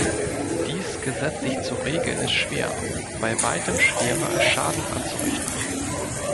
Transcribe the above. Dies gesetzlich zu regeln, ist schwer, bei weitem schwerer, als Schaden anzurichten.